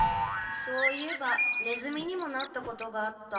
そういえばネズミにもなったことがあった。